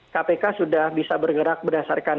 kpk sudah bisa bergerak berdasarkan